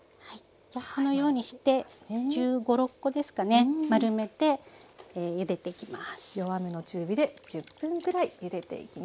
このようにして１５１６個ですかね丸めてゆでていきます。